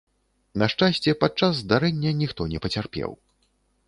На шчасце, падчас здарэння ніхто не пацярпеў.